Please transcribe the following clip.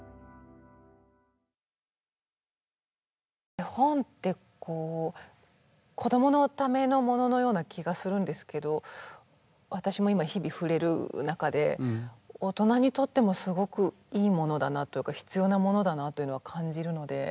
絵本って子どものためのもののような気がするんですけど私も今日々触れる中で大人にとってもすごくいいものだなというか必要なものだなというのは感じるので。